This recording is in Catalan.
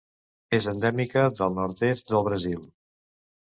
És endèmica del nord-est del Brasil.